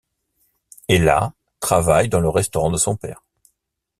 Ella travaille dans le restaurant de son père.